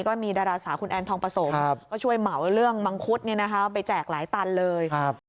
ก็มีดาราสาวคุณแอนทองผสมก็ช่วยเหมาเรื่องมังคุดไปแจกหลายตันเลย